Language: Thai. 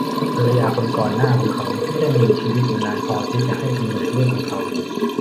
ภรรยาคนก่อนหน้าของเขาไม่ได้มีชีวิตอยู่นานพอที่จะให้กำเนิดลูกของเขา